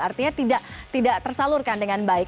artinya tidak tersalurkan dengan baik